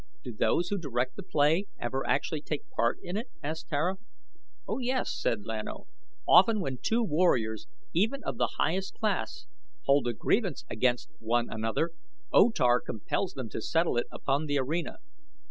"Do those who direct the play ever actually take part in it?" asked Tara. "Oh, yes," said Lan O. "Often when two warriors, even of the highest class, hold a grievance against one another O Tar compels them to settle it upon the arena.